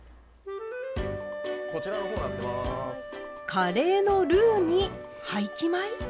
カレーのルーに廃棄米。